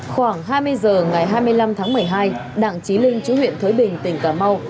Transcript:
khoảng hai mươi h ngày hai mươi năm tháng một mươi hai đảng trí linh chú huyện thới bình tỉnh cà mau